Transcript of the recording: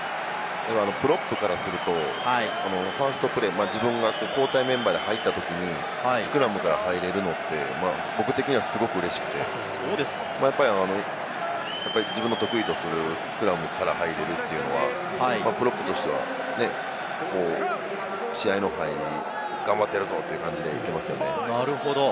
プロップからするとファーストプレー、自分が交代メンバーで入ったときにスクラムから入れるのって、僕的には、すごく嬉しくて、やっぱり自分の得意とするスクラムから入れるというのは、プロップとしては試合の入り、頑張ってやるぞという感じでいけますよね。